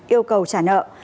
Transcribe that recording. yêu cầu trả nợ